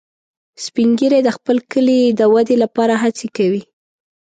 سپین ږیری د خپل کلي د ودې لپاره هڅې کوي